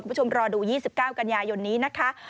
คุณผู้ชมรอดู๒๙กันยายนนี้นะคะ